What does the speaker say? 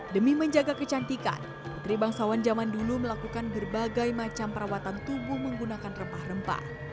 demi menjaga kecantikan putri bangsawan zaman dulu melakukan berbagai macam perawatan tubuh menggunakan rempah rempah